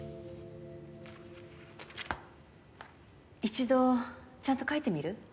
一度ちゃんと描いてみる？